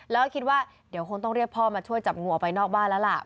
แล้วก็คิดว่าเดี๋ยวคงต้องเรียกพ่อมาช่วยจับงูออกไปนอกบ้านแล้วล่ะ